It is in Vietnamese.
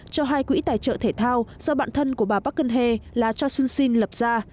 cho hai quỹ tài trợ thể thao do bạn thân của bà bắc kinh là cho soon sin lập ra